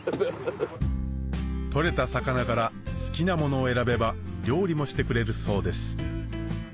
取れた魚から好きなものを選べば料理もしてくれるそうです